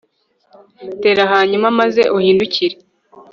tera hanyuma maze uhindukire